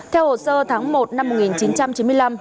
theo hồ sơ tháng một năm một nghìn chín trăm chín mươi năm